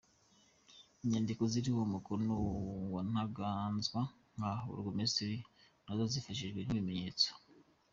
Inyandiko ziriho umukono wa Ntaganzwa nka Burugumesitiri na zo zifashishijwe nk’ibimenyetso.